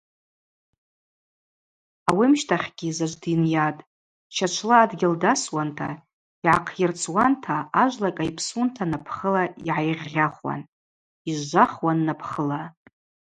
Ауи амщтахьгьи заджв дйынйатӏ: щачвла адгьыл дасуанта йгӏахъйырцуанта, ажвла кӏайпсунта напӏхыла йгӏайгъьгъьахуан, йыжвжвахуан напӏхыла.